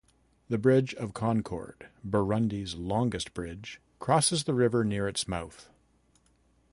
The Bridge of Concord, Burundi's longest bridge, crosses the river near its mouth.